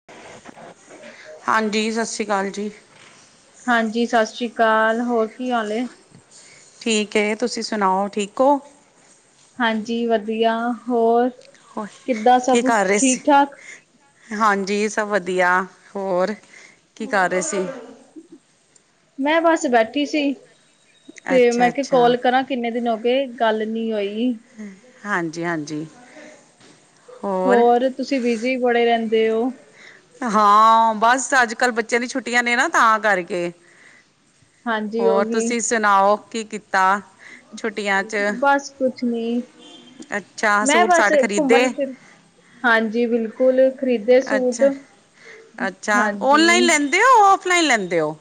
[unintelligible] ਹਾਂਜੀ, ਸਤਿ ਸ਼੍ਰੀ ਅਕਾਲ ਜੀ। ਹਾਂਜੀ, ਸਤਿ ਸ੍ਰੀ ਅਕਾਲ ਹੋਰ ਕੀ ਹਾਲ ਏ। ਠੀਕ ਏ, ਤੁਸੀਂ ਸੁਣਾਓ ਠੀਕ ਔ? ਹਾਂਜੀ ਵਧੀਆ, ਹੋਰ ਹੋਰ ਕਿੱਦਾਂ ਕੀ ਸਭ? ਕਰ ਰਹੇ ਸੀ ਠੀਕ ਠਾਕ। ਹਾਂਜੀ ਸਭ ਵਧੀਆ, ਹੋਰ ਕੀ ਕਰ ਰਹੇ ਸੀ? ਮੈਂ ਬਸ ਬੈਠੀ ਸੀ, ਤੇ ਅੱਛਾ ਮੈਂ ਕਿਆ ਅੱਛਾ ਕਾਲ ਕਰਾਂ। ਕਿੰਨੇ ਦਿਨ ਹੋ ਗਏ ਗੱਲ ਨੀਂ ਹੋਈ। ਹਾਂਜੀ ਹਾਂਜੀ। ਹੋਰ ਤੁਸੀਂ ਵਿਜ਼ੀ ਬੜੇ ਰਹਿੰਦੇ ਹੋ। ਹਾਂ, ਬਸ ਅੱਜ-ਕੱਲ੍ਹ ਬੱਚਿਆਂ ਦੀ ਛੁੱਟੀਆਂ ਨੇਂ ਨਾਂ ਤਾਂ ਕਰਕੇ। ਹਾਂਜੀ ਹੋਰ ਉਹੀ ਤੁਸੀਂ ਸੁਣਾਓ ਕੀ ਕੀਤਾ। ਛੁੱਟੀਆਂ 'ਚ ਬਸ ਕੁਛ ਨੀਂ। ਅੱਛਾ ਮੈਂ ਸੂਟ ਬਸ ਸਾਟ ਖਰੀਦੇ ਘੁੰਮਣ ਫਿਰ ਹਾਂਜੀ ਬਿਲਕੁਲ, ਖ਼ਰੀਦੇ ਸੂਟ। ਅੱਛਾ ਹਾਂਜੀ। ਦੇ ਆਫਲਾਈਨ ਲੈਂਦੇ ਹੋ?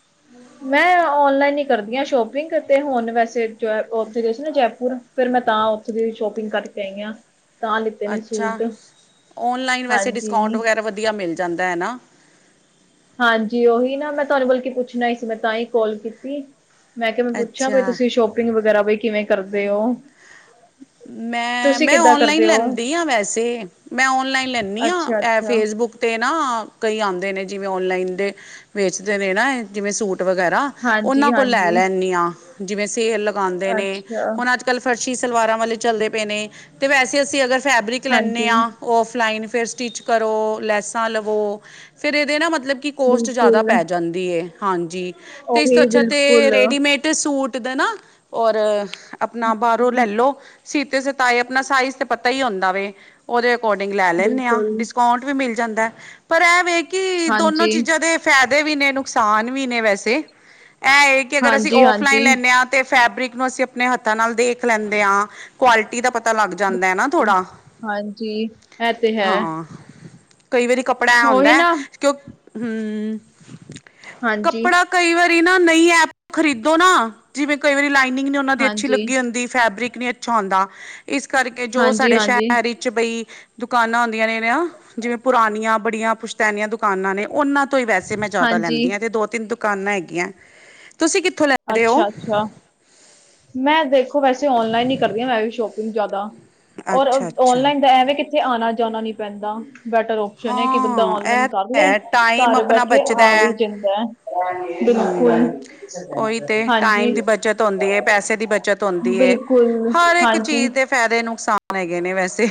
[unintelligible] ਮੈਂ ਔਨਲਾਈਨ ਈ ਕਰਦੀ ਆਂ ਸ਼ੋਪਿੰਗ, ਤੇ ਹੁਣ ਵੈਸੇ ਉੱਥੇ ਗਏ ਸੀ ਨਾਂ ਜੈਪੁਰ। ਫੇਰ ਮੈਂ ਤਾਂ ਉੱਥੋਂ ਦੀ ਸ਼ੋਪਿੰਗ ਕਰਕੇ ਆਈ ਹਾਂ। ਤਾਂ ਲਿੱਤੇ ਨੇ ਅੱਛਾ। ਸੂਟ ਔਨਲਾਈਨ ਵੈਸੇ ਡਿਸਕਾਊਂਟ ਹਾਂਜੀ ਵਗੈਰਾ ਵਧੀਆ ਮਿਲ ਜਾਂਦਾ ਹੈ ਨਾਂ। ਹਾਂਜੀ ਉਹੀ ਨਾਂ ਮੈਂ ਤੁਹਾਨੂੰ ਕੋਲ ਕੀ ਪੁੱਛਣਾ ਈ ਸੀ ਮੈਂ ਤਾਂ ਹੀ ਕੌਲ ਕੀਤੀ। ਮੈਂ ਕਿਹਾ ਮੈਂ ਪੁੱਛਿਆ ਬਈ ਅੱਛਾ ਤੁਸੀਂ ਸ਼ੋਪਿੰਗ ਵਗੈਰਾ ਬਈ ਕਿਵੇਂ ਕਰਦੇ ਹੋ। ਮੈਂ, ਤੁਸੀਂ ਮੈਂ ਕਿੱਦਾਂ ਆਨਲਾਈਨ ਕਰਦੇ ਹੋ ਲੈਂਦੀ ਹਾਂ ਵੈਸੇ। ਮੈਂ ਆਨਲਾਈਨ ਲੈਂਦੀ ਹਾਂ, ਅੱਛਾ ਐ ਅੱਛਾ ਫੇਸਬੁੱਕ। ਤੇ ਨਾ ਕਈ ਆਉਂਦੇ ਨੇ ਜਿਵੇਂ ਆਨਲਾਈਨ ਦੇ ਵੇਸਦੇ ਨੇ ਨਾ ਜਿਵੇਂ ਸੂਟ ਵਗੈਰਾ। ਹਾਂਜੀ ਉਹਨਾਂ ਕੋਲ ਲੈ ਹਾਂਜੀ ਲੈਂਨੀ ਆਂ, ਜਿਵੇਂ ਸੇਲ ਲਗਾਉਂਦੇ ਨੇ ਅੱਛਾ ਹੁਣ ਅੱਜ ਕੱਲ੍ਹ ਫਰਸ਼ੀ, ਸਲਵਾਰਾਂ ਵਾਲੇ ਚੱਲਦੇ ਪਏ ਨੇ ਤੇ ਵੈਸੇ ਅਸੀਂ ਅਗਰ ਫੈਬਰਿਕ ਲੈਂਨੇ ਹਾਂਜੀ ਹਾਂ ਫਲਾਈਨ ਫਿਰ ਸਟਿਚ ਕਰੋ ਲੈਸਾਂ ਲਵੋ, ਫਿਰ ਇਹਦੇ ਨਾ ਮਤਲਬ ਕਿ ਕੋਸਟ ਜ਼ਿਆਦਾ ਬਿਲਕੁਲ ਪੈ ਜਾਂਦੀ ਹੈ। ਹਾਂਜੀ, ਤੇ ਇਸ ਤੋਂ ਉਹੀ ਅੱਛਾ ਬਿਲਕੁਲ ਤਾਂ ਰੈਡੀਮੇਡ ਸੂਟ ਦੇ ਨਾ ਔਰ ਆਪਣਾ ਬਰ, ਲੋ ਸੀਤੇ ਸਿਤਾਏ ਆਪਣਾ ਸਾਈਜ਼ ਤੇ ਪਤਾ ਹੀ ਹੁੰਦਾ ਵੇ। ਉਹਦੇ ਅਕੋਰਡਿੰਗ ਲੈ ਲੈਨੇੇ ਹਾਂ ਬਿਲਕੁਲ ਡਿਸਕਾਊਂਟ ਵੀ ਮਿਲ ਜਾਂਦਾ, ਪਰ ਐਵੇਂ ਕਿ ਦੋਨੋ ਹਾਂਜੀ ਚੀਜ਼ਾਂ ਦੇ ਫਾਇਦੇ ਵੀ ਨੇ ਨੁਕਸਾਨ ਵੀ ਨੇ ਵੈਸੇ, ਇਹ ਏ ਕੀ ਅਗਰ ਅਸੀਂ ਹਾਂਜੀ ਔਫਲਾਈਨ ਹਾਂਜੀ ਲੈਂਨੇ ਹਾਂ ਤੇ ਫੈਬਰਿਕ ਨੂੰ ਅਸੀਂ ਆਪਣੇ ਹੱਥਾਂ ਨਾਲ ਦੇਖ ਦੇਖ ਲੈਂਦੇ ਹਾਂ ਕੁਆਲਿਟੀ ਦਾ ਪਤਾ ਲੱਗ ਜਾਂਦਾ। ਨਾ ਥੋੜ੍ਹਾ ਹਾਂਜੀ, ਇਹ ਤੇ ਹੈ। ਹਾਂ ਕਈ ਵਾਰੀ ਕੱਪੜਾ ਐ ਉਹੀ ਹੁੰਦਾ ਨਾ ਕਿਉਂਕ, ਹੂੰ ਹਾਂਜੀ ਕੱਪੜਾ ਕਈ ਵਾਰੀ ਨਾ ਨੀ ਐਪ ਖਰੀਦੋ ਨਾ ਜਿਵੇਂ ਕਈ ਵਾਰੀ ਲਾਈਨਿੰਗ ਨੇ ਉਹਨਾਂ ਦੀ ਅੱਛੀ ਹਾਂਜੀ ਲੱਗੀ ਹੁੰਦੀ। ਫੈਬਰਿਕ ਨੀ ਅੱਛਾ ਹੁੰਦਾ, ਇਸ ਕਰਕੇ ਜੋ ਹਾਂਜੀ ਸਾਡੇ ਹਾਂਜੀ ਸ਼ਹਿਰ ਹੀ ਬਈ ਦੁਕਾਨਾਂ ਆਉਂਦੀਆਂ ਨੇ ਨੇ ਜਿਵੇਂ ਪੁਰਾਨੀਆਂ ਬੜੀਆਂ ਪੁਸ਼ਤੈਨੀਆਂ ਦੁਕਾਨਾਂ ਨੇ ਉਹਨਾਂ ਤੋਂ ਹੀ ਵੈਸੇ ਮੈਂ ਜ਼ਿਆਦਾ ਹਾਂਜੀ ਲੈਂਦੀ ਹਾਂ, ਤੇ ਦੋ ਤਿੰਨ ਦੁਕਾਨਾਂ ਹੈਗੀਆਂ ਤੁਸੀਂ ਕਿੱਥੋਂ ਲੈ ਰਹੇ ਹੋ? ਅੱਛਾ ਅੱਛਾ ਮੈਂ ਦੇਖੋ ਵੈਸੇ ਆਨਲਾਈਨ ਹੀ ਕਰਦੀ ਹਾਂ ਮੈਂ ਵੀ ਸ਼ੋਪਿੰਗ ਜਿਆਦਾ, ਔਰ ਅੱਛਾ ਅੱਛਾ ਆਨਲਾਈਨ ਦਾ ਐਵੇਂ ਕਿ ਤੇ ਆਉਣਾ ਜਾਣਾ ਨੀ ਪੈਂਦਾ ਬੈਟਰ ਉਹ ਸੁਣਿਆ ਕਿ ਬੰਦਾ ਹਾਂ ਆਨਲਾਈਨ ਇਹ ਕਰ ਤਾਂ ਲੈ ਹੈ ਟਾਈਮ ਘਰ ਆਪਣਾ ਬੈਠੇ ਬਚਦਾ ਆ ਵੀ ਹੈ। ਜਾਂਦਾ, ਹੂੰ ਉਹੀ ਬਿਲਕੁਲ। ਤੇ ਟਾਈਮ ਹਾਂਜੀ। ਦੀ ਬੱਚਤ ਹੁੰਦੀ ਪੈਸੇ ਦੀ ਬੱਚਤ ਹੁੰਦੀ ਏ। ਬਿਲਕੁਲ ਹਰ ਇੱਕ ਹਾਂਜੀ ਚੀਜ਼ ਦੇ ਫ਼ਾਇਦੇ ਨੁਕਸਾਨ ਹੈਗੇ ਨੇ ਵੈਸੇ।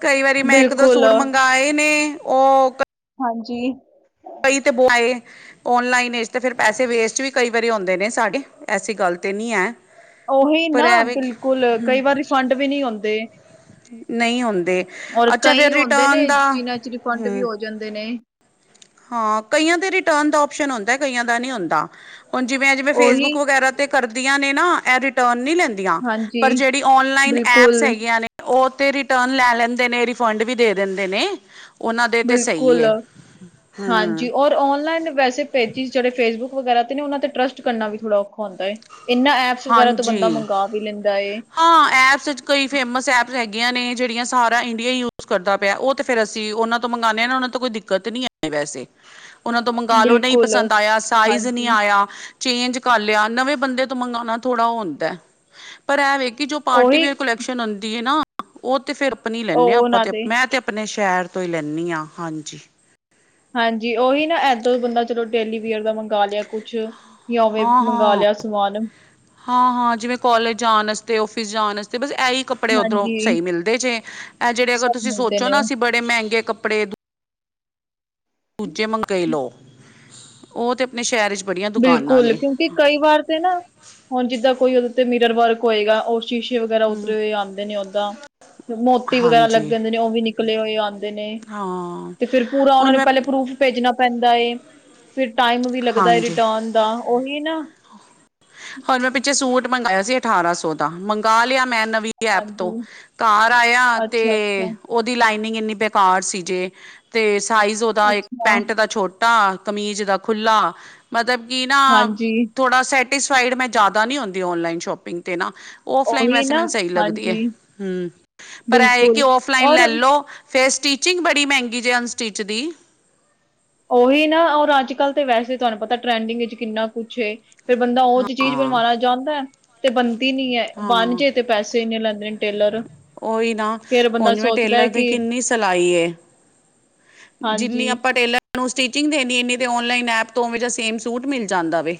ਕਈ ਵਾਰੀ ਮੈਂ ਇੱਕ ਦੋ ਬਿਲਕੁਲ ਸੂਟ ਮੰਗਵਾਏ ਨੇ ਉਹ ਹਾਂਜੀ। ਕਈ ਤੇ ਬੋਆਏ, ਆਨਲਾਈਨ ਵਿੱਚ ਫਿਰ ਪੈਸੇ ਵੇਸਟ ਵੀ ਕਈ ਵਾਰੀ ਹੁੰਦੇ ਨੇ ਸਾਡੇ ਐਸੀ ਗੱਲ ਤੇ ਨਹੀਂ ਏ। ਉਹੀ ਨਾ ਬਿਲਕੁਲ ਕਈ ਵਾਰ ਰਿਫੰਡ ਵੀ ਨਹੀਂ ਆਉਂਦੇ। ਨਹੀਂ ਹੁੰਦੇ ਔਰ ਅੱਛਾ ਕਈ ਫਿਰ ਹੁੰਦੇ ਰਿਟਰਨ ਨੇ ਦਾ ਜਿਨਾਂ ਚ ਰਿਫੰਡ ਵੀ ਹੂੰ ਹੋ ਜਾਂਦੇ ਨੇ। ਹਾਂ, ਕਈਆਂ ਦੇ ਰਿਟਰਨ ਦਾ ਆਪਸ਼ਨ ਹੁੰਦਾ ਕਈਆਂ ਦਾ ਨਹੀਂ ਹੁੰਦਾ, ਹੁਣ ਜਿਵੇਂ ਅ ਜਿਵੇਂ ਫੇਸਬੁੱਕ ਉਹੀ ਵਗੈਰਾ, ਤੇ ਕਰਦੀਆਂ ਨੇ ਨਾ ਇਹ ਰਿਟਰਨ ਨੀ ਲੈਂਦੀਆਂ ਹਾਂਜੀ ਪਰ ਜਿਹੜੀ ਆਨਲਾਈਨ ਬਿਲਕੁਲ ਐਪਸ ਹੈਗੀਆਂ ਨੇ। ਉਹ ਤੇ ਰਿਟਰਨ ਲੈ ਲੈਂਦੇ ਨੇ ਰਿਫੰਡ ਵੀ ਦੇ ਦਿੰਦੇ ਨੇ ਉਹਨਾਂ ਦੇ ਤੇ ਸਹੀ ਬਿਲਕੁਲ ਏ। ਹਾਂਜੀ, ਹੂੰ ਔਰ ਆਨਲਾਈਨ ਵੈਸੇ ਪੇਜਿਸ ਜਿਹੜੇ ਫੇ ਫੈਸਬੁਕ ਵਗੈਰਾ ਤੇ ਉਹਨਾਂ ਤੇ ਟਰੱਸਟ ਕਰਨਾ ਵੀ ਥੋੜਾ ਔਖਾ ਹੁੰਦਾ ਹੈ, ਇਹਨਾਂ ਐਪ ਸ਼ੁਕਰ ਆ ਤੋਂ ਬੰਦਾ ਹਾਂਜੀ ਮੰਗਵਾ ਵੀ ਲੈਂਦਾ ਏ। ਹਾਂ ਐਪਸ ਕਈ ਫੇਮਸ ਐਪਸ ਹੈਗੀਆਂ ਨੇ ਜਿਹੜੀਆਂ ਸਾਰਾ ਇੰਡੀਆ ਯੂਜ ਕਰਦਾ ਪਿਆ ਉਹ ਤੇ ਫਿਰ ਅਸੀਂ ਉਹਨਾਂ ਤੋਂ ਮੰਗਉਂਦੇ ਹਾਂ, ਉਹਨਾਂ ਤਾਂ ਕੋਈ ਦਿੱਕਤ ਨਹੀਂ ਆ, ਵੈਸੇ। [inaudible] ਉਹਨਾ ਤੋਂ ਮੰਗਾਲੋ ਨਹੀਂ ਬਿਲਕੁਲ ਪਸੰਦ ਆਇਆ ਸਾਈਜ ਨਹੀਂ ਹਾਂਜੀ ਆਇਆ, ਚੇਂਜ ਕਰ ਲਿਆ ਨਵੇਂ ਬੰਦੇ ਤੋਂ ਮੰ ਥੋੜ੍ਹਾ ਹੁੰਦਾ ਪਰ ਇਹਵੇ ਕਿ ਜੋ ਪਾਰਟੀ ਉਹੀ ਵੇਅਰ ਕੁਲੈਕਸ਼ਨ ਆੁਦੀ ਹੈ ਨਾ। ਉਹ ਤੇ ਫਿਰ ਆਪਣੀ ਹੀ ਲੈਂਦੇ ਉਹ ਹਾਂ ਆਪਾਂ ਉਹਨਾਂ ਤੇ ਦੇ ਮੈਂ ਤੇ ਆਪਣੇ ਸ਼ਹਿਰ ਤੋਂ ਹੀ ਲੈਂਨੀ ਹਾਂ ਹਾਂਜੀ। ਹਾਂਜੀ, ਉਹੀ ਨਾ ਏਦੋਂ ਬੰਦਾ ਚਲੋ ਡੇਲੀਵੀਅਰ ਦਾ ਮੰਗਵਾ ਲਿਆ ਕੁਛ। ਜਾਂ ਉਵੇਂ ਹਾਂ ਮੰਗਵਾ ਹਾਂ ਲਿਆ ਸਮਾਨ। ਹਾਂ-ਹਾਂ, ਜਿਵੇਂ ਕੋਲਜ ਜਾਣ ਵਸਤੇ ਔਫਿਸ ਜਾਣ ਵਾਤੇ ਬਸ ਇਹੀ। ਕੱਪੜੇ ਉੱਧਰੋਂ ਹਾਂਜੀ ਸਹੀ ਮਿਲਦੇ ਜੇ ਇਹ ਜਿਹੜੇ ਅਗਰ ਸਭ ਤੁਸੀਂ ਮਿਲਦੇ ਸੋਚੋ ਨਾ ਨੇ ਅਸੀਂ ਬੜੇ ਮਹਿੰਗੇ ਕੱਪੜੇ ਦੂਜੇ ਮੰਗਈ ਲਉ, ਉਹ ਤਾਂ ਆਪਣੇ ਸ਼ਹਿਰ ਚ ਬੜੀਆਂ ਦੁਕਾਨਾਂ ਨੇ। ਵੀ ਕਈ ਵਾਰ ਤੇ ਨਾ, ਹੁਣ ਜਿੱਦਾਂ ਕੋਈ ਉਹਦੇ ਤੇ ਮੀਰਰ ਵਰਕ ਹੋਏਗਾ ਉਸ ਸ਼ੀਸ਼ੇ ਵਗੈਰਾ ਹੂੰ ਉਤਰੇ ਹੋਏ ਆਉਂਦੇ ਨੇ ਓਦਾਂ। ਮੋਤੀ ਵਗੈਰਾ ਹਾਂਜੀ ਲੱਗੇ ਹੁੰਦੇ ਨੇ ਉਹ ਵੀ ਨਿਕਲੇ ਹੋਏ ਆਉਂਦੇ ਨੇ। ਹਾਂ। ਤੇ ਫੇਰ ਪੂਰਾ ਉਹਨਾ ਹੁਣ ਨੇ ਮੈਂ ਪਹਿਲੇ ਪਰੂਫ਼ ਭੇਜਣਾ ਪੈਂਦਾ ਏ, ਫੇਰ ਟਾਈਮ ਵੀ ਲੱਗਦਾ ਐ ਹਾਂਜੀ ਰਿਟਰਨ ਦਾ, ਓਹੀ ਨਾ ਹੁਣ ਮੈਂ ਪਿੱਛੇ ਸੂਟ ਮੰਗਇਆ ਸੀ ਅਠਾਰਾਂ ਸੌ ਦਾ, ਮੰਗਾ ਲਿਆ ਮੈਂ ਨਵੀ ਐਪ ਤੋਂ ਹਾਂਜੀ, ਘਰ ਆਯਾ ਤੇ ਅੱਛਾ-ਅੱਛਾ, ਉਹਦੀ ਲਾਈਨਿੰਗ ਇੰਨੀ ਬੇਕਾਰ ਸੀ ਜੇ ਤੇ ਸਾਈਜ਼ ਅੱਛਾ, ਉਹਦਾ ਇੱਕ ਅੱਛਾ, ਪੈਂਟ ਦਾ ਛੋਟਾ, ਕਮੀਜ਼ ਦਾ ਖੁੱਲ੍ਹਾ ਮਤਲਬ ਕਿ ਨਾ ਹਾਂਜੀ, ਥੋੜਾ ਸੈਟਿਸਫਾਈਡ ਮੈਂ ਜ਼ਿਆਦਾ ਨੀ ਹੁੰਦੀ ਓਨਲਾਈਨ ਸ਼ੋਪਿੰਗ ਤੇ ਨਾ ਔਫਲਾਈਨ ਉਹੀ ਵੈਸੇ ਨਾ, ਮੈਨੂੰ ਸਹੀ ਲੱਗਦੀ ਐ, ਹਾਂਜੀ, ਹੂੰ ਪਰ ਇਹ ਏ ਕਿ ਬਿਲਕੁਲ ਔਫਲਾਈਨ ਲੈ ਔਰ ਲਓ ਫੇਰ ਸਟਿਚਿੰਗ ਬੜੀ ਮਹਿੰਗੀ ਜੇ ਅਨਸਟਿਚ ਦੀ ਉਹੀ ਨਾ ਔਰ ਅੱਜ-ਕੱਲ੍ਹ ਤਾਂ ਵੈਸੇ ਤੁਹਾਨੂੰ ਪਤਾ ਟਰੈਂਡਿੰਗ ਵਿੱਚ ਕਿੰਨਾ ਕੁਛ ਏ ਫੇਰ ਬੰਦਾ ਉਹ ਜੀ ਚੀਜ਼ ਹਾਂ ਬਣਵਾਉਣਾ ਚਾਹੁੰਦਾ ਐ ਤੇ ਬਣਦੀ ਨੀ ਏ, ਬਣ ਹਾਂ ਜੇ ਤੇ ਪੈਸੇ ਇੰਨੇ ਲੈਂਦੇ ਨੇ ਟੇਲਰ ਉਹੀ ਨਾ ਫੇਰ ਬੰਦਾ ਹੁਣ ਜਿਵੇਂ ਸੋਚਦਾ ਹੈ ਟੇਲਰ ਦੀ ਕਿ ਕਿੰਨੀ ਸਿਲਾਈ ਏ ਹਾਂਜੀ ਜਿੰਨੀ ਆਪਾਂ ਟੇਲਰ ਨੂੰ ਸਟਿਚਿੰਗ ਦੇਣੀ ਇਨੀ ਤੇ ਔਨਲਾਈਨ ਐਪ ਤੋਂ ਉਵੇਂ ਜਾਂ ਸੇਮ ਸੂਟ ਮਿਲ ਜਾਂਦਾ ਵੇ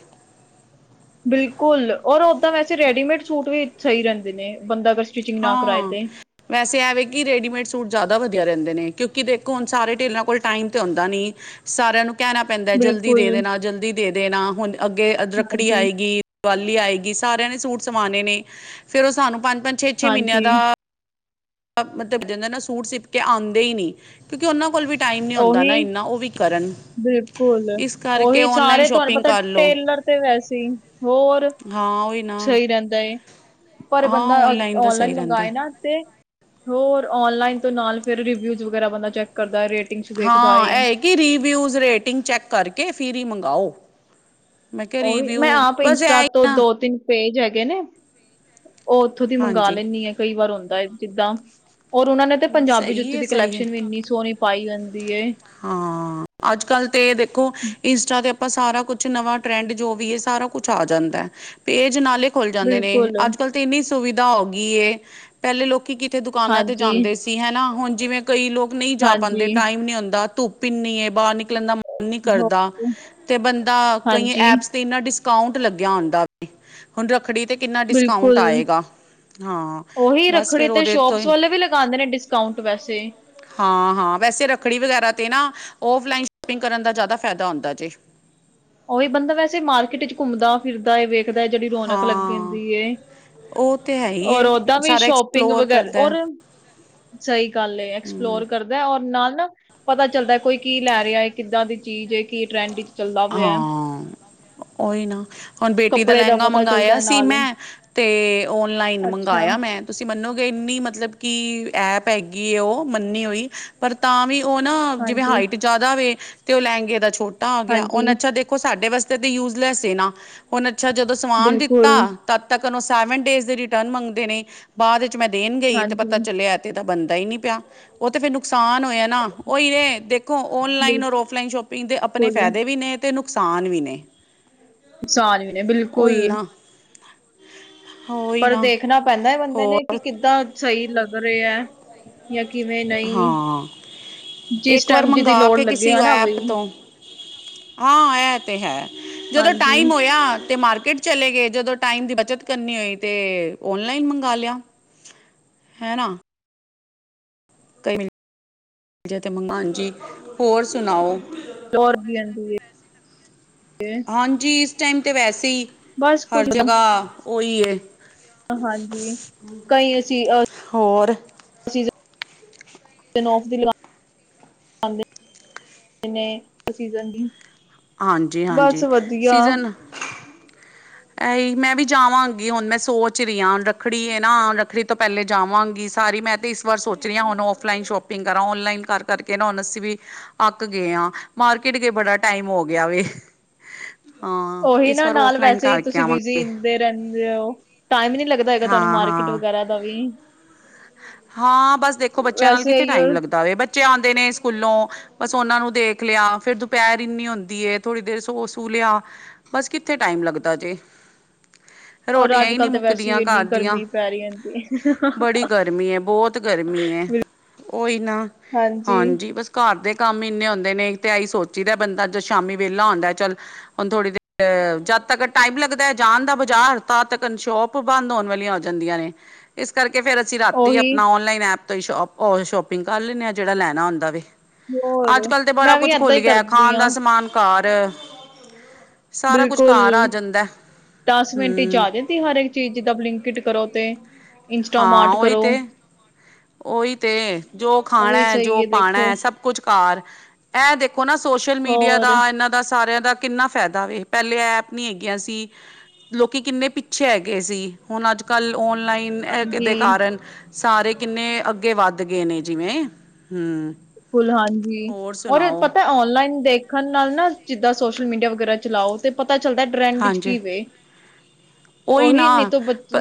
ਬਿਲਕੁਲ ਔਰ ਉਦਾਂ ਵੈਸੇ ਰੈਡੀਮੇਡ ਸੂਟ ਵੀ ਸਹੀ ਰਹਿੰਦੇ ਨੇ ਬੰਦਾ ਅਗਰ ਸਟਿਚਿੰਗ ਨਾ ਕਰਾਏ ਹਾਂ। ਤੇ ਵੈਸੇ ਐ ਵੇ ਕਿ ਰੈਡੀਮੇਡ ਸੂਟ ਜ਼ਿਆਦਾ ਵਧੀਆ ਰਹਿੰਦੇ ਨੇ ਕਿਉਂਕਿ ਦੇਖੋ ਹੁਣ ਸਾਰੇ ਟੇਲਰਾਂ ਕੋਲ ਟਾਈਮ ਤੇ ਹੁੰਦਾ ਨਹੀਂ। ਸਾਰਿਆਂ ਨੂੰ ਕਹਿਣਾ ਪੈਂਦਾ ਜਲਦੀ ਬਿਲਕੁਲ ਦੇ ਦੇਣਾ, ਜਲਦੀ ਦੇ ਦੇਣਾ। ਹੁਣ ਅੱਗੇ ਰੱਖੜੀ ਹਾਂਜੀ ਆਏਗੀ। ਦੀਵਾਲੀ ਆਏਗੀ, ਸਾਰਿਆਂ ਨੇ ਸੂਟ ਸਵਾਣੇ ਨੇ ਫੇਰ ਉਹ ਸਾਨੂੰ ਪੰਜ-ਪੰਜ, ਛੇ-ਛੇ ਮਹੀਨਿਆਂ ਹਾਂਜੀ ਦਾ ਮਤਲਬ ਐਹ ਹੋ ਜਾਂਦਾ ਨਾ ਸੂਟ ਸਿਪ ਕੇ ਆਦੇ ਹੀ ਨੀ ਕਿਉਂਕਿ ਉਹਨਾਂ ਕੋਲ ਵੀ ਟਾਈਮ ਨੀ ਹੁੰਦਾ ਨਾ ਉਹੀ ਇੰਨਾ ਉਹ ਵੀ ਕੀ ਕਰਨ ਬਿਲਕੁਲ, ਇਸ ਕਰਕੇ ਉਹੀ ਔਨਲਾਈਨ ਸਾਰੇ ਤੁਹਾਨੂੰ ਸ਼ੋਪਿੰਗ ਪਤਾ ਕਰ ਲਓ ਟੇਲਰ ਤੇ ਵੈਸੇ ਹੋਰ ਹਾਂ ਉਹੀ ਨਾ ਸਹੀ ਰਹਿੰਦਾ ਏ ਪਰ ਹਾਂ ਬੰਦਾ ਦਾ ਔਨਲਾਈਨ ਸਹੀ ਰਹਿੰਦਾ ਮੰਗਵਾਏ ਹੈ। ਨਾ। ਤੇ ਹੋਰ ਓਨ ਲਈਨ ਤੋਂ ਨਾਲ ਫਿਰ ਰਿਵਿਊਜ ਵਗਰਾ ਬੰਦਾ ਚੈੱਕ ਕਰਦਾ ਰੇਟਿੰਗ ਚ ਹਾਂ, ਇਹ ਏ ਕਿ ਰੀਵਿਊਜ਼ ਰੇਟਿੰਗ ਚੈਕ ਕਰਕੇ ਫਿਰ ਹੀ ਮੰਗਾਓ। ਮੈਂ ਕਿਹਾ ਉਹੀ ਰਿਵਿਊ ਮੈਂ ਆਪ ਬਸ ਇਹ ਇੰਸਟਾ ਹੀ ਤੋਂ ਨਾ ਦੋ ਤਿੰਨ ਪੇਜ ਹੈਗੇ ਨੇ ਉਹ ਉੱਥੋਂ ਦੀ ਮੰਗਾ ਹਾਂਜੀ ਲੈਂਣੀ ਆ। ਕਈ ਵਾਰ ਹੁੰਦਾ ਐ ਜਿੱਦਾਂ ਔਰ ਉਹਨਾਂ ਨੇ ਤੇ ਪੰਜਾਬੀ ਸਹੀ ਜੁੱਤੀ ਹੈ ਦੀ ਸਹੀ ਹੈ ਕਲੈਕਸ਼ਨ ਵੀ ਇੰਨੀ ਸੋਨੀ ਪਾਈ ਹੁੰਦੀ ਏ। ਹਾਂ। ਅੱਜ-ਕੱਲ ਤੇ ਦੇਖੋ ਇੰਸਟਾ ਤੇ ਆਪਾਂ ਸਾਰਾ ਕੁਛ ਨਵਾਂ ਟਰੈਂਡ ਜੋ ਵੀ ਐ, ਸਾਰਾ ਕੁਛ ਆ ਜਾਂਦਾ। ਪੇਜ ਨਾਲੇ ਖੁਲੱ ਜਾਂਦੇ ਨੇ, ਬਿਲਕੁਲ ਅੱਜ-ਕੱਲ ਤੇ ਇੰਨੀ ਸੁਵਿਧਾ ਹੋ ਗਈ ਏ। ਪਹਿਲੇ ਲੋਕੀ ਕਿਥੇ ਦੁਕਾਨਾਂ ਤੇ ਹਾਂਜੀ, ਜਾਂਦੇ ਸੀ ਹੈਨਾ, ਹੁਣ ਜਿਵੇਂ ਕਈ ਲੋਕ ਨਹੀਂ ਜਾ ਹਾਂਜੀ। ਪਾਂਦੇ ਟਾਈਮ ਨੀ ਹੁੰਦਾ। ਧੁੱਪ ਏਨੀ ਏ, ਬਾਹਰ ਨਿਕਲਣ ਦਾ ਮਨ ਨੀ ਹੋਰ ਕਰਦਾ ਤੇ ਬੰਦਾ ਕਈ ਹਾਂਜੀ ਐਪਸ ਤੇ ਇੰਨਾ ਡਿਸਕਾਊਂਟ ਲੱਗਿਆ ਹੁੰਦਾ ਵੇ, ਹੁਣ ਰੱਖੜੀ ਤੇ ਕਿੰਨਾ ਡਿਸਕਾਊਂਟ ਬਿਲਕੁਲ ਆਏਗਾ। ਹਾਂ। ਉਹੀ ਬਸ ਰੱਖੜੀ ਫੇਰ ਤੇ ਉਹਦੇ ਤੋਂ ਸ਼ੋਪਸ ਹੀ ਵਾਲੇ ਵੀ ਲਗਾਂਦੇ ਨੇ ਡਿਸਕਾਊਂਟ ਵੈਸੇ ਹਾਂ ਹਾਂ ਵੈਸੇ ਰੱਖੜੀ ਵਗੈਰਾ ਤੇ ਨਾ ਓਫਲਾਈਨ ਸ਼ੋਪਿੰਗ ਕਰਨ ਦਾ ਜ਼ਿਆਦਾ ਫਾਇਦਾ ਹੁੰਦਾ ਜੇ। ਓਹੀ ਬੰਦਾ ਵੈਸੇ ਮਾਰਕੀਟ ਚ ਘੁੰਮਦਾ ਫਿਰਦਾ ਵੇਖਦਾ ਜੇੜੀ ਰੌਣਕ ਲੱਗੀ ਹਾਂ ਹੁੰਦੀ ਏ। ਉਹ ਤੇ ਹੈ ਹੀ ਔਰ ਏ ਓਦਾਂ ਵੀ ਸਾਰਾ ਸ਼ੋਪਿੰਗ ਐਕਸਪਲੋਰ ਵਗੈਰਾ ਕਰਦਾ ਰ ਸਹੀ ਗੱਲ ਏ। ਐਕਸਪਲੋਰ ਕਰ ਔਰ ਨਾਲ ਨਾ ਪਤਾ ਚੱਲਦਾ ਏ ਕੋਈ ਕੀ ਲੈ ਰਿਹਾ ਐ, ਕਿੱਦਾਂ ਦੀ ਚੀਜ਼, ਕੀ ਟਰੈਂਡਿੱਗ ਚੱਲਦਾ। ਪਿਆ ਹੈ। ਹਾਂ ਓਹੀ ਨਾ ਹੁਣ ਬੇਟੀ ਦਾ ਕੱਪੜੇ ਲਹਿੰਗਾ ਪਤਾ ਚੱਲਦਾ ਮੰਗਇਆ ਹੈ ਸੀ, ਨਾਲ ਮੈਂ ਤੇ ਔਨਲਾਈਨ ਅੱਛਾ ਮੰਗਇਆ ਮੈਂ। ਤੁਸੀਂ ਮੰਨੋਗੇ ਇੰਨੀ ਮਤਲਬ ਕਿ ਐਪ ਹੈਗੀ ਏ ਉਹ ਮੰਨੀ ਹੋਈ ਪਰ ਤਾਂ ਵੀ ਓ ਨਾ ਜਿਵੇਂ ਹਾਂਜੀ ਹਾਈਟ ਜਾਦਾ ਵੇ ਤੇ ਓ ਲਹਂਗੇ ਦਾਂ ਛੋਟ ਹਾਂਜੀ। ਦੇਖੋ ਸਾਡੇ ਵਾਸਤੇ ਤਾਂ ਯੂਜਲੈਸ ਏ ਨਾ, ਹੁਨ ਅੱਛਾ ਜਦੋਂ ਸਵਾਨ ਦਿੱਤਾ ਬਿਲਕੁਲ ਤਦ ਤੱਕਨ ਓ ਸੈਵਨ ਡੇਜ਼ ਦੇ ਰਿਟਰਨ ਮੰਗਦੇ ਨੇ, ਬਾਦ ਵਿੱਚ ਮੈਂ ਦੇਨ ਗਈ ਤੇ ਪਤਾ ਹਾਂਜੀ ਚੱਲਿਆ ਏ ਓਹਦਾ ਬਨਦਾ ਈ ਨੀ ਪਯਾ, ਓ ਤੇ ਫੇਰ ਨੁਕਸਾਨ ਹੋਇਆ ਨਾ ਉਹੀ ਏ ਦੇਖ ਖੋ ਓਨਲਾਈਨ ਔਰ ਓਫਲਾਈਨ ਸ਼ੋਪਿੰਗ ਦੇ ਆਪਣੇ ਬਿਲਕੁਲ ਫਾਇਦੇ ਵੀ ਨੇ ਤੇ ਨੁਕਸਾਨ ਵੀ ਨੇ। ਨੁਕਸਾਨ ਵੀ ਨੇ ਉਹੀ ਬਿਲਕੁਲ। ਨਾ ਉਹੀ ਪਰ ਨਾ ਦੇਖਣਾ ਪੈਂਦਾ ਐ ਬੰਦੇ ਨੇ ਕਿ, ਹੋਰ ਕਿੱਦਾਂ ਸਹੀ ਲੱਗ ਰਿਹਾ ਐ। ਯਾ ਕਿਵੇਂ ਨਈ ਹਾਂ ਜਿਸ ਇੱਕ ਵਾਰ ਟਾਈਮ ਜਿਦੀ ਮੰਗਵਾ ਲੋੜ ਕੇ ਲੱਗੇ ਕਿਸੇ ਹਨਾ ਐਪ ਬਾਈ। ਤੋਂ ਹਾਂ ਇਹ ਤੇ ਹੈ, ਜਦੋਂ ਹਾਂਜੀ ਟਾਈਮ ਹੋਇਆ ਤੇ ਮਾਰਕੀਟ ਚਲੇ ਗਏ ਜਦੋਂ ਟਾਈਮ ਦੀ ਬੱਚਤ ਕਰਨੀ ਹੋਈ ਤੇ, ਓਨਲਾਈਨ ਮੰਗਵਾ ਲਿਆ। ਹੈਨਾ? [unintelligible] ਹੋਰ ਸੁਣਾਓ। [unintelligible] ਹਾਂਜੀ ਇਸ ਟਾਈਮ ਤੇ ਵੈਸੇ ਈ, ਬਸ ਹਰ ਕੁਝ ਜਗ੍ਹਾ ਓਈ ਏ। ਹਾਂਜੀ, ਕਈ ਅਸੀਂ ਅ ਹੋਰ [unintelligible] ਬਸ ਹਾਂਜੀ-ਹਾਂਜੀ, ਵਧੀਆ ਸੀਜ਼ਨ- ਇਹੀ ਮੈਂ ਵੀ ਜਾਵਾਂਗੀ ਹੁਨ ਮੈਂ ਸੋਚ ਰਹੀ ਆਂ ਰੱਖੜੀ ਹੈ ਨਾ, ਰੱਖੜੀ ਤੋਂ ਪਹਿਲੇ ਜਾਵਾਂਗੀ ਸਾਰੀ ਮੈਂ ਤੇ ਇਸ ਵਾਰ ਸੋਚ ਰਹੀ ਆਂ ਹੁਨ ਔਫਲਾਈਨ ਸ਼ੋਪਿੰਗ ਕਰਾਂ ਔਨਲਾਈਨ ਕਰਕੇ ਨਾ ਹੁਨ ਅਸੀਂ ਵੀ ਅੱਕ ਗਏ ਆ, ਮਾਰਕਿਟ ਗਏ ਬੜਾ ਟਾਈਮ ਹੋ ਗਿਆ ਵੇ। ਹਾਂ ਉਹੀ ਇਸ ਨਾ ਵਾਰ ਨਾਲ ਔਫਲਾਈਨ ਵੈਸੇ ਹੀ ਕਰ ਤੁਸੀਂ ਬਿਜੀ ਈਦੇ ਰਹਿੰਦੇ ਹੋ, ਟਾਈਮ ਨੀ ਲੱਗਦਾ ਹੈਗਾ ਤੁਹਾਨੂੰ ਹਾਂ ਮਾਰਕੀਟ ਹਾਂ ਵਗੈਰਾ ਦਾ ਵੀ ਹਾਂ ਬਸ ਦੇਖੋ ਬੱਚਿਆਂ ਨਾਲ ਵੈਸੇ ਕਿੱਥੇ ਇਹੀਓ ਟਾਈਮ ਲੱਗਦਾ ਵੇ ਬੱਚੇ ਆਂਦੇ ਨੇ ਸਕੂਲੋਂ। ਬਸ ਉਹਨਾਂ ਨੂੰ ਦੇਖ ਲਿਆ, ਫਿਰ ਦੁਪਹਿਰ ਇੰਨੀ ਹੁੰਦੀ ਐ ਥੋੜ੍ਹੀ ਦੇਰ ਸੋ ਸੂ ਲੇਆ। ਬਸ ਕਿੱਥੇ ਟਾਈਮ ਲੱਗਦਾ ਜੇ। ਔਰ ਰੋਟੀਆਂ ਹੀ ਨਹੀਂ ਅੱਜ-ਕੱਲ੍ਹ ਤੇ ਵੈਸੇ ਮੁੱਕਦੀਆਂ ਇੰਨੀ ਘਰ ਦੀਆਂ ਗਰਮੀ ਪੈ ਰਹੀ ਰੈਂਦੀ। ਬੜੀ ਗਰਮੀ ਹੈ ਬਹੁਤ ਗਰਮੀ ਏ, ਓਈ ਨਾ ਹਾਂਜੀ। ਬਸ ਘਰ ਦੇ ਕੰਮ ਇੰਨੇ ਹੁੰਦੇ ਨੇ ਤੇ ਐ ਸੋਚੀ ਦਾ ਬੰਦਾ ਜੋ ਸ਼ਾਮੀ ਵੇਲਾ ਹੁੰਦਾ ਐ ਚੱਲ ਹੁਨ ਥੋੜੀ ਦੇਰ ਜਦ ਤੱਕ ਟਾਈਮ ਲੱਗਦਾ ਜਾਣ ਦਾ ਬਾਜ਼ਾਰ, ਤਦ ਤੱਕ ਸ਼ੋਪ ਪ੍ ਬੰਦ ਹੋਨ ਵਾਲੀਆਂ ਹੋ ਜਾਂਦੀਆਂ ਨੇ। ਇਸ ਕਰਕੇ ਫੇਰ ਅਸੀਂ ਰਾਤੀ ਉਹੀ ਆਪਣਾ ਨਲਾਈਨ ਐਪ ਤੋਂ ਹੀ ਸ਼ੋਪਿੰਗ ਕਰ ਲੈਂਣੇ ਹਾਂ ਜਿਹੜਾ ਲੈਣਾ ਹੋਂਦਾ ਵੇ। ਹੋਰ ਅੱਜ ਕੱਲ੍ਹ ਤੇ ਬੜਾ ਮੈਂ ਵੀ ਕੁਛ ਏਦਾਂ ਖੁੱਲ ਹੀ ਗਿਆ, ਕਰਦੀ ਖਾਣ ਹਾਂ ਦਾ ਸਮਾਨ ਘਰ ਸਾਰਾ ਕੁਛ ਬਿਲਕੁਲ ਘਰ ਆ ਜਾਂਦਾ ਐ। ਦਸ ਮਿੰਟ ਚ ਆ ਜਾਂਦੀ ਹਰ ਇੱਕ ਚੀਜ਼ ਜਿੱਦਾਂ ਬਲਿੰਕਿਟ ਕਰੋ ਤੇ। ਇੰਸਟਾਮਾਰਟ ਕਰੋ। ਓਹੀ ਤੇ ਜੋ ਉਹ ਵੀ ਖਾਣਾ ਸਹੀ ਜੋ ਪਾਣਾ ਦੇਖੋ ਹੈ, ਸਭ ਕੁਛ ਘਰ ਇਹ ਦੇਖ ਦੇਖੋ ਨਾ ਸੋਸ਼ਲ ਮੀਡੀਆ ਦਾ ਹੋਰ ਏਨਾਂ ਦਾ, ਸਾਰਿਆਂ ਦਾ ਕਿੰਨਾ ਫਾਇਦਾ ਵੇ, ਪਹਿਲੇ ਐਪ ਨੀ ਹੈਗੀਆਂ ਸੀ। ਲੋਕੀ ਕਿੰਨੇ ਪਿੱਛੇ ਹੈਗੇ ਸੀ, ਹੁਨ ਅੱਜ ਕੱਲ੍ਹ ਔਨਲਾਈਨ ਕਿਨ ਕਿਦੇ ਹਾਂਜੀ ਕਾਰਨ ਸਾਰੇ ਕਿੰਨੇ ਅੱਗੇ ਵੱਧ ਗਏ ਨੇ, ਜਿਵੇਂ ਹੂੰ ਕੁਲ ਹਾਂਜੀ, ਔਰ ਪਤਾ ਔਨਲਾਈਨ ਦੇਖ ਦੇੱਖਣ ਨਾਲ ਨਾ ਜਿੱਦਾਂ ਸੋਸ਼ਲ ਮੀਡੀਆ ਵਗੈਰਾ ਚਲਾਓ ਤੇ ਪਤਾ ਚੱਲਦਾ ਟਰੈਂਡ ਚ ਹਾਂਜੀ ਕੀ ਵੇ, ਓਹੀ ਨੇ ਤੇ ਬੱਚ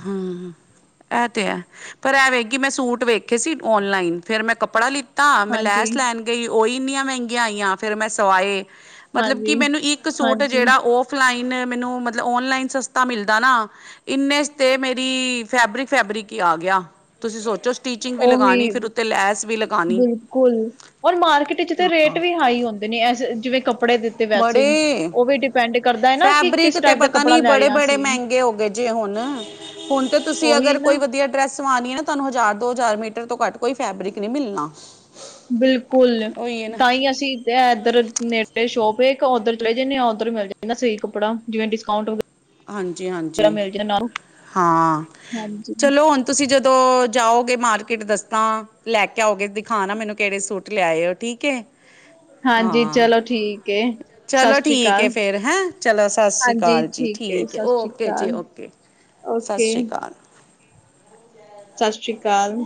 ਹਾਂ। ਐ ਤੇ ਹੈ ਪਰ ਐ ਵੇ ਕਿ ਮੈਂ ਸੂਟ ਵੇਖੇ ਸੀ ਔਨਲਾਈਨ, ਫਿਰ ਮੈਂ ਕੱਪੜਾ ਲਿ ਤਾ ਮੈਂ ਹਾਂਜੀ, ਲੈਸ ਲੈਣ ਗਈ ਓਈ ਇੰਨੀਆਂ ਮਹਿੰਗੀਆਂ ਆਈਆਂ, ਫਿਰ ਮੈਂ ਸਵਾਏ। ਮਤਲਬ ਕਿ ਹਾਂਜੀ, ਮੈਨੂੰ ਇੱਕ ਸੂਟ ਹਾਂਜੀ ਜਿਹੜਾ ਓ ਔਫਲਾਈਨ ਮੈਨੂੰ ਮਤਲਬ ਓਨਲਾਈਨ ਸਸਤਾ ਮਿਲਦਾ ਨਾ, ਇੰਨੇ ਤੇ ਮੇਰੀ, ਫੈਬਰਿਕ ਫੈਬਰਿਕ ਹੀ ਆ ਗਿਆ। ਤੁਸੀਂ ਸੋਚੋ ਸਟੀਚਿੰਗ ਵੀ ਲਗਾਣੀ, ਫਿਰ ਉੱਤੇ ਲੈਸ ਵੀ ਲਗਾਣੀ। ਕੋਈ ਨੀ ਔਰ ਮਾਰਕੀਟ ਵਿੱਚ ਤੇ ਰੇਟ ਵੀ ਹਾਈ ਹੁੰਦੇ ਨੇੇ, ਏਸ ਜਿਵੇਂ ਕੱਪੜੇ ਦਿੱ ਬੜੇ ਨਾ ਕਿ ਕਿਸ ਫੈਬਰਿਕ ਤੇ ਟਾਈਪ ਦਾ ਪਤਾ ਕੱਪੜਾ ਨੀ ਲੈ ਰਹੇ ਹਾਂ ਬੜੇ-ਬੜੇ ਅਸੀਂ ਮਹਿੰਗੇ ਹੋ ਗਏ ਜੇ ਹੁਣ ਹੁਣ ਤੇ ਤੁਸੀਂ ਉਹੀ ਅਗਰ ਨਾ ਕੋਈ ਵਧੀਆ ਡਰੈਸ ਸਵਾਣੀ ਏਨਾ ਤੁਹਾਨੂੰ ਹਜ਼ਾਰ ਦੋ ਹਜ਼ਾਰ ਮੀਟਰ ਤੋਂ ਘੱਟ ਕੋਈ ਫੈਬਰਿਕ ਨੀ ਮਿਲਣਾ ਬਿਲਕੁਲ ਉਹੀ ਹੈ ਨਾ ਤਾਂ ਹੀ ਅਸੀਂ ਤੇ ਏਧਰ ਨੇਡੇ ਸ਼ੋਪ ਹੈ ਇੱਕ ਉੱਧਰ ਚਲੇ ਜਾਂਦੇ ਆ ਓਧਰ ਮਿਲ ਜਾਂਦਾ ਸਹੀ ਕੱਪੜਾ ਜਿਵੇਂ ਡਿਸਕਾਊਂਟ ਵਗੈ ਹਾਂਜੀ-ਹਾਂਜੀ ਹਾਂ ਹਾਂਜੀ, ਚਲੋ ਤੁਸੀਂ ਜਦੋਂ ਜਾਓਗੇ ਮਾਰਕੀਟ ਦੱਸਨਾ ਲੈ ਕੇ ਆਓਗੇ ਦਿਖਾ ਨਾ ਮੈਨੂੰ ਕਿਹੜੇ ਸੂਟ ਲਿਆਏ ਠੀਕ ਐ ਹਾਂਜੀ ਚਲੋ ਠੀਕ ਹੈ ਸਤਿ ਚਲੋ ਸ਼੍ਰੀ ਠੀਕ ਅਕਾਲ ਹੈ ਫਿਰ ਹੈ ਚਲੋ ਸਤਿ ਸ਼੍ਰੀ ਹਾਂਜੀ ਅਕਾਲ ਜੀ ਠੀਕ ਹੈ ਸਤਿ ਸ੍ਰੀ ਓਕੇ ਜੀ ਅਕਾਲ ਓਕੇ ਸਤਿ ਓਕੇ ਸ਼੍ਰੀ ਅਕਾਲ ਸਤਿ ਸ਼੍ਰੀ ਅਕਾਲ